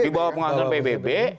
di bawah pengawasan pbb